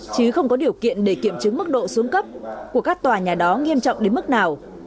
chứ không có điều kiện để kiểm chứng mức độ xuống cấp của các tòa nhà đó nghiêm trọng đến mức nào